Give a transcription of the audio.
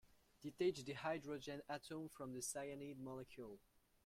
Detach the hydrogen atom from the cyanide molecule.